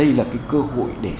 đây là cái cơ hội để